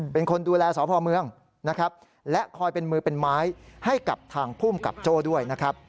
เป็นคนดูแลสพเมืองนะครับและคอยเป็นมือเป็นไม้ให้กับทางภูมิกับโจ้ด้วยนะครับ